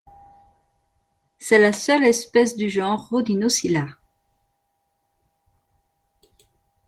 C'est la seule espèce du genre Rhodinocichla.